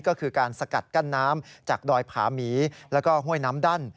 ก็คือการสกัดกั้นน้ำจากดอยผาหมีแล้วก็ห้วยน้ำดั้น